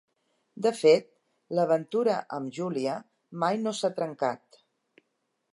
De fet, l'aventura amb Julia mai no s'ha trencat.